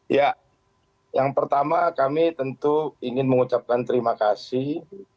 ya yang pertama kami tentu ingin mengucapkan terima kasih